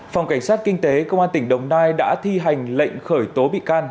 phòng cảnh sát kinh tế công an tỉnh đồng nai đã thi hành lệnh khởi tố bị can